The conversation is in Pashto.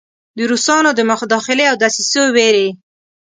د روسانو د مداخلې او دسیسو ویرې.